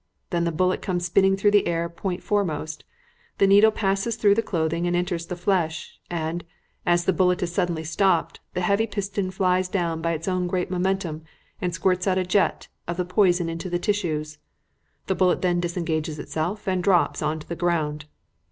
Then the bullet comes spinning through the air point foremost; the needle passes through the clothing and enters the flesh, and, as the bullet is suddenly stopped, the heavy piston flies down by its own great momentum and squirts out a jet of the poison into the tissues. The bullet then disengages itself and drops on to the ground.